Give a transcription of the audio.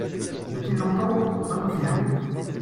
Y a-t-il longtemps ? Cinq ou six jours.